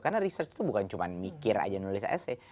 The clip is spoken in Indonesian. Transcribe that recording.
karena research itu bukan cuma mikir aja nulis esay